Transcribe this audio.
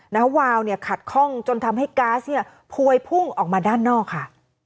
แล้ววาวเนี่ยขัดข้องจนทำให้ก๊าซเนี่ยพวยพุ่งออกมาด้านนอกค่ะ